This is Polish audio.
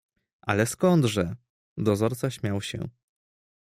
"„Ale skądże!“ Dozorca śmiał się."